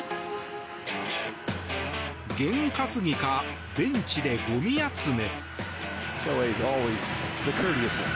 げん担ぎかベンチでゴミ集め。